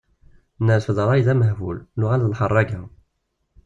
Nerfed rray d amehbul, nuɣal d lḥerraga.